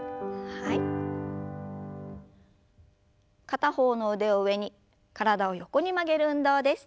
片方の腕を上に体を横に曲げる運動です。